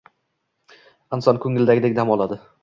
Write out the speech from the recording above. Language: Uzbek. inson ko‘ngildagidek dam oladi.